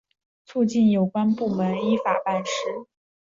促进有关部门依法办事